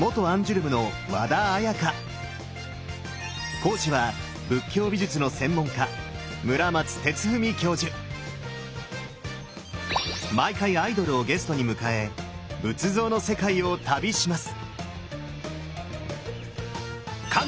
講師は仏教美術の専門家毎回アイドルをゲストに迎え仏像の世界を旅します！